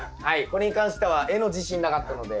これに関しては絵の自信なかったので。